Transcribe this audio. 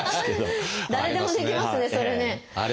誰でもできますねそれね。